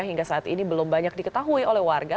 hingga saat ini belum banyak diketahui oleh warga